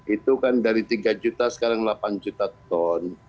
itu kan dari tiga juta sekarang delapan juta ton